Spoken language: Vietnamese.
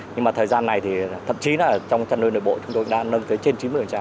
nhưng mà thời gian này thì thậm chí là trong chăn nuôi nội bộ chúng tôi đã nâng tới trên chín mươi